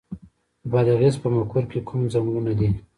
د بادغیس په مقر کې کوم ځنګلونه دي؟